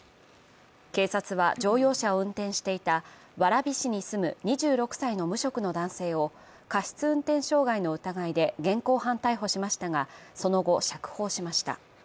警察は乗用車を運転していた蕨市に住む２６歳の無職の男性を過失運転傷害の疑いで現行犯逮捕しましたが、その後釈放しました。